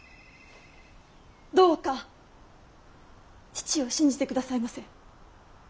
どうか父を信じてくださいませ。